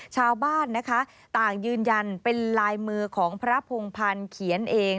ชาวบ้านนะคะต่างยืนยันเป็นลายมือของพระพงพันธ์เขียนเอง